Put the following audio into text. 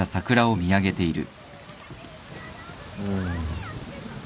うん。